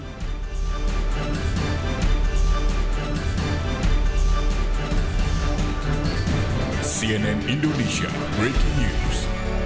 cnn indonesia breaking news